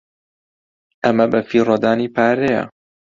ئەمە بەفیڕۆدانی پارەیە.